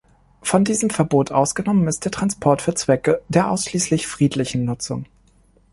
Von diesem Verbot ausgenommen ist der Transport für Zwecke der ausschließlich friedlichen Nutzung.